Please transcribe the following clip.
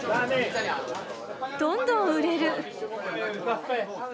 どんどん売れる。